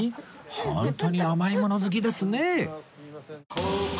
ホントに甘いもの好きですね